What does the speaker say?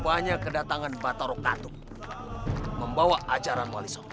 banyak kedatangan batarokatuh membawa ajaran wali sombong